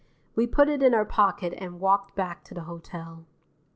We put it in our pocket and walked back to the hotel.